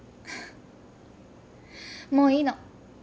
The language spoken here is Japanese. もういいの。